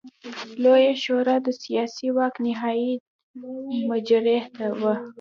لویه شورا د سیاسي واک نهايي مرجع وه.